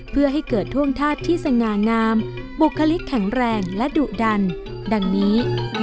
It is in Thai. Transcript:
เพื่อให้เกิดท่วงธาตุที่สง่างามบุคลิกแข็งแรงและดุดันดังนี้